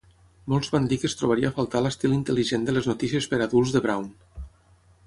Molts van dir que es trobaria a faltar l'estil intel·ligent de les "notícies per a adults" de Brown.